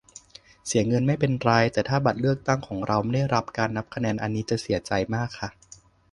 เสียเงินไม่เป็นไร แต่ถ้าบัตรเลือกตั้ง ของเราไม่ได้รับการนับคะแนน อันนี้จะเสียใจมากค่ะ